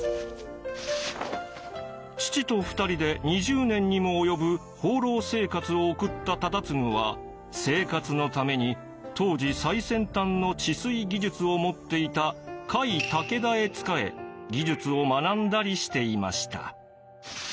父と２人で２０年にも及ぶ放浪生活を送った忠次は生活のために当時最先端の治水技術を持っていた甲斐武田へ仕え技術を学んだりしていました。